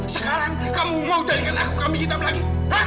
sekarang kamu mau jadikan aku kambing hitam lagi